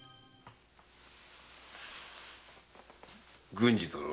郡司殿。